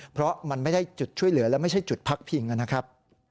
เพราะมันไม่ได้จุดช่วยเหลือและไม่ใช่จุดพักพิงนะครับ